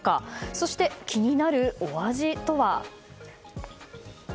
そして、気になるお味とは。